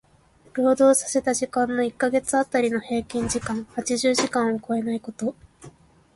労働させた時間の一箇月当たりの平均時間八十時間を超えないこと。